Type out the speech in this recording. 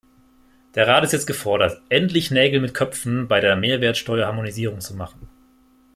Der Rat ist jetzt gefordert, endlich Nägel mit Köpfen bei der Mehrwertsteuerharmonisierung zu machen.